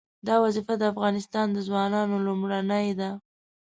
دا وظیفه د افغانستان د ځوانانو لومړنۍ ده.